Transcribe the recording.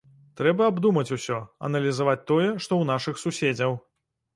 Трэба абдумаць усё, аналізаваць тое, што ў нашых суседзяў.